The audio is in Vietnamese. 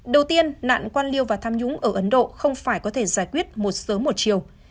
đầu tiên nạn quan liêu và tham nhũng ở ấn độ không phải có thể giải quyết một sớm một chiều